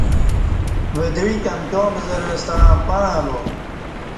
ودعیک امکیاں بزرہ ستݩع پݩع اہ لا